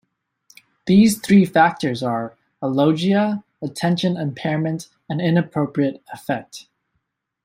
These three factors are: alogia, attention impairment, and inappropriate affect.